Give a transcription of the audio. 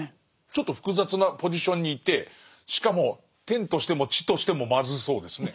ちょっと複雑なポジションにいてしかも天としても地としてもまずそうですね。